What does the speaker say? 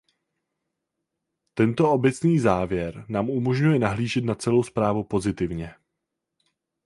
Tento obecný závěr nám umožňuje nahlížet na celou zprávu pozitivně.